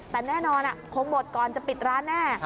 แต่แน่นอนคงหมดก่อนจะปิดร้านแน่